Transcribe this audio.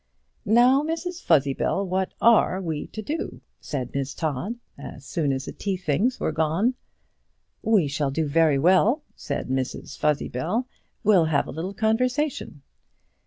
"Now, Mrs Fuzzybell, what are we to do?" said Miss Todd, as soon as the tea things were gone. "We shall do very well," said Mrs Fuzzybell; "we'll have a little conversation."